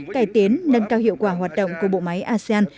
cải tiến nâng cao hiệu quả hoạt động của bộ máy asean